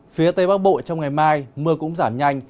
phía tây bắc bộ trong ngày mai mưa cũng giảm nhanh